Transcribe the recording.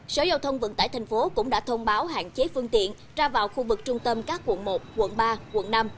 sở giao thông vận tải tp hcm cũng đã thông báo hạn chế phương tiện ra vào khu vực trung tâm các quận một quận ba quận năm